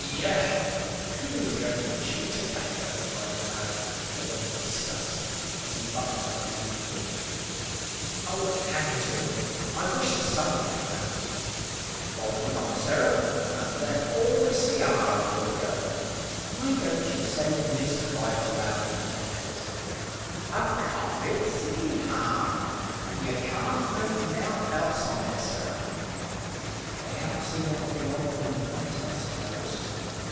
"Yah! Who's going to chew tobacco!" cried the lad with a look of disgust, as he buttoned up his uniform jacket. "Oh, hang it all, I wish the sun would come out!" "Won't be long, sir; and then all this sea haar will go." "Why don't you say mist?" cried the lad contemptuously. "'Acause it's sea haar, and you can't make nowt else on it, sir!" "They haven't seen anything of them in the night, I suppose?"